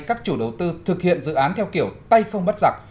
các chủ đầu tư thực hiện dự án theo kiểu tay không bắt giặc